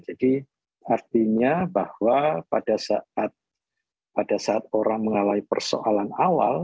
jadi artinya bahwa pada saat orang mengalami persoalan awal